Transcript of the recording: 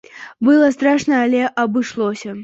Было страшна, але абышлося.